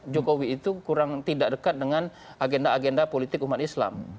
jokowi itu kurang tidak dekat dengan agenda agenda politik umat islam